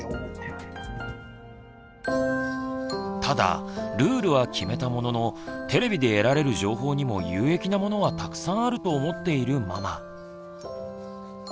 ただルールは決めたもののテレビで得られる情報にも有益なものはたくさんあると思っているママ。